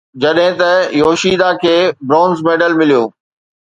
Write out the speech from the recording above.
جڏهن ته يوشيدا کي برونز ميڊل مليو